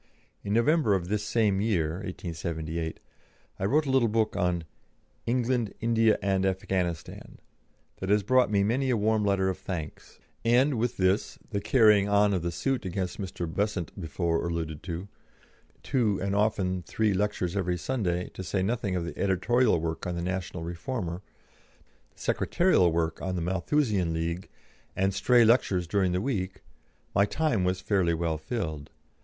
In November of this same year (1878) I wrote a little book on "England, India, and Afghanistan" that has brought me many a warm letter of thanks, and with this, the carrying on of the suit against Mr. Besant before alluded to, two and often three lectures every Sunday, to say nothing of the editorial work on the National Reformer, the secretarial work on the Malthusian League, and stray lectures during the week, my time was fairly well filled.